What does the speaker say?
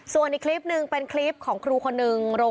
ส่วนอีกคลิปหนึ่งเป็นคลิปของครูคนนึง